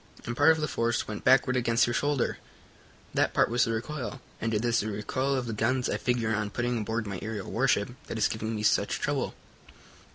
And part of the force went backward against your shoulder. That part was the recoil, and it is the recoil of the guns I figure on putting aboard my aerial warship that is giving me such trouble."